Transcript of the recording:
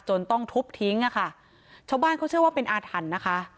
ต้องทุบทิ้งอ่ะค่ะชาวบ้านเขาเชื่อว่าเป็นอาถรรพ์นะคะ